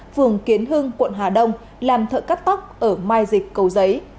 phường kiến hưng quận hà đông làm thợ cắt tóc ở mai dịch cầu giấy